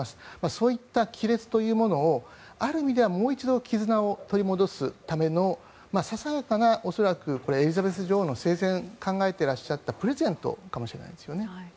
そういった亀裂というものをある意味ではもう一度、絆を取り戻すためのささやかな恐らく、エリザベス女王の生前考えていらっしゃったプレゼントかもしれないですよね。